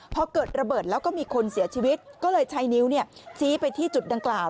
พอเกิดระเบิดแล้วก็มีคนเสียชีวิตก็เลยใช้นิ้วชี้ไปที่จุดดังกล่าว